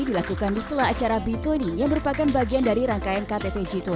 dilakukan di sela acara b dua puluh yang merupakan bagian dari rangkaian ktt g dua puluh